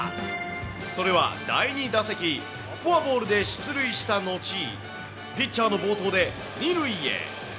それは第２打席、フォアボールで出塁したのち、ピッチャーの暴投で２塁へ。